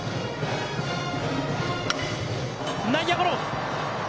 内野ゴロ。